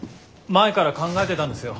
前から考えてたんですよ。